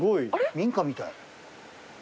民家みたい。